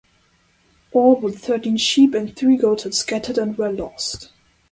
All but thirteen sheep and three goats had scattered and were lost.